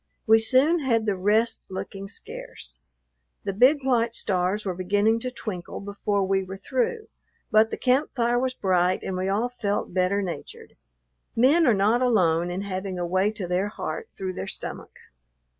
We soon had the rest looking scarce. The big white stars were beginning to twinkle before we were through, but the camp fire was bright, and we all felt better natured. Men are not alone in having a way to their heart through their stomach.